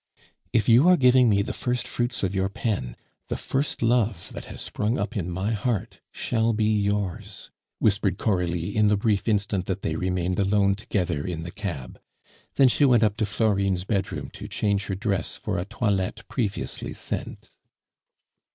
"If you are giving me the first fruits of your pen, the first love that has sprung up in my heart shall be yours," whispered Coralie in the brief instant that they remained alone together in the cab; then she went up to Florine's bedroom to change her dress for a toilette previously sent.